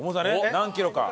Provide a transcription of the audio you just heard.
何キロか。